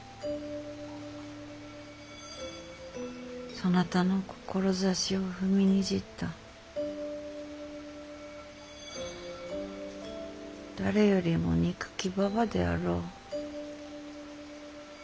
そなたの志を踏みにじった誰よりも憎きババであろう。